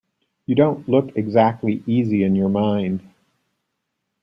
You don't look exactly easy in your mind.